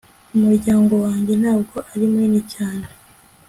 umuryango wanjye ntabwo ari munini cyane